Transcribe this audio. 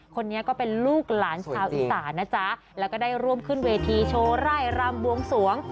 คนนี้ก็เป็นลูกหลานชาวอีสานนะจ๊ะแล้วก็ได้ร่วมขึ้นเวทีโชว์ไร่รำบวงสวง